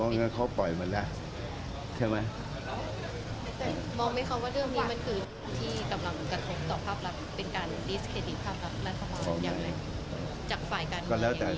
มองไหมครับว่าเรื่องนี้มันอยู่ที่กำลังกระทบกับภาพละ